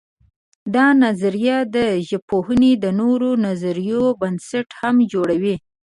دا نظریه د ژبپوهنې د نورو نظریو بنسټ هم جوړوي.